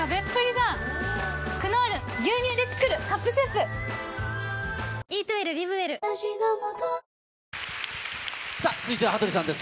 「クノール牛乳でつくるカップスープ」さあ、続いては羽鳥さんです。